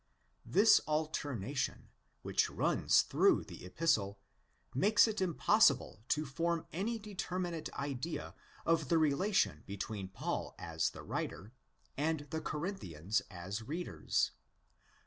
This alternation, which runs through the Epistle, makes it impossible to form any determinate idea of the relation between Paul as the writer and the Corinthians as readers.